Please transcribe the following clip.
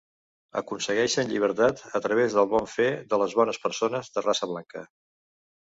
Aconsegueixen llibertat a través del bon fer de les bones persones de raça blanca.